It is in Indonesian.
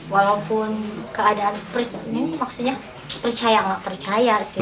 walaupun keadaan ini maksudnya percaya nggak percaya sih